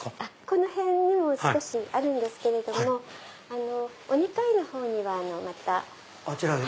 この辺にも少しあるんですけれどもお２階のほうにまた。